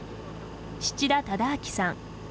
七田忠昭さん。